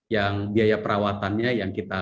yang biaya perawatannya yang kita